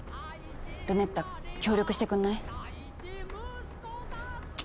ルネッタ協力してくんない？